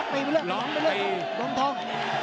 พี่โกราศ